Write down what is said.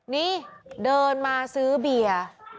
นี่เดินมาซื้อเบียร์